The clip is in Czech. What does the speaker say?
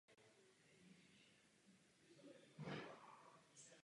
O otázce rovnosti pohlaví se zde rovněž mluvilo.